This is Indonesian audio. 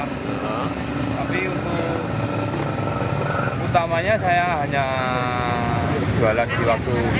tapi untuk utamanya saya hanya jualan di waktu